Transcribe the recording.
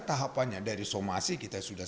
tahapannya dari somasi kita sudah